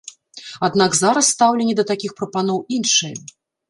Аднак зараз стаўленне да такіх прапаноў іншае.